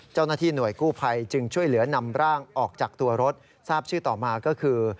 เจ้าหน้าที่หน่วยกู้ภัยจึงช่วยเหลือนำร่างออกจากตัวรถทราบชื่อต่อมาก็คือ